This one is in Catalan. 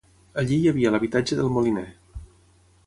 Allí hi havia l'habitatge del moliner.